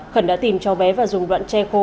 khẩn đã tìm cháu bé và dùng đoạn che khô